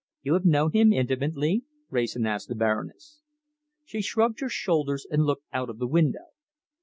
"You have known him intimately?" Wrayson asked the Baroness. She shrugged her shoulders and looked out of the window.